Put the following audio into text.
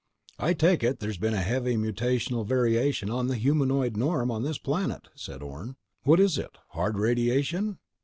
"I take it there's been a heavy mutational variation in the humanoid norm on this planet," said Orne. "What is it? Hard radiation?"